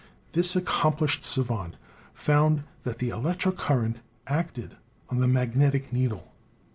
This accomplished savant found that the electric current acted on the magnetic needle.